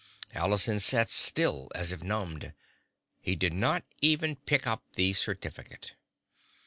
Allison sat still as if numbed. He did not even pick up the certificate.